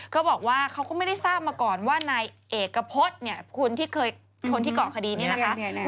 เขาก็บอกว่าเขาก็ไม่ได้ทราบมาก่อนว่านายเอกพฤษเนี่ยคนที่เคยคนที่เกาะคดีนี้นะคะ